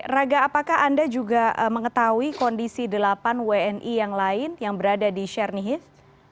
raga apakah anda juga mengetahui kondisi delapan wni yang lain yang berada di sherni hiv